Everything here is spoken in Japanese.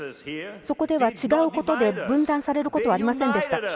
そこでは違うことで分断されることはありませんでした。